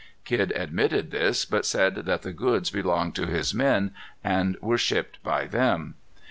Kidd admitted this, but said that the goods belonged to his men and were shipped by them.